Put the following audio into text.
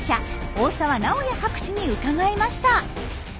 大澤直哉博士に伺いました。